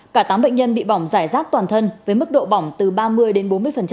cả tám bệnh nhân bị bỏng giải rác toàn thân với mức độ bỏng từ ba mươi đến bốn mươi